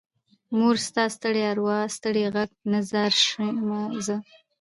مورې ستا ستړي ارواه ستړې غږ نه ځار شمه زه